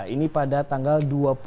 ini pada tanggal dua puluh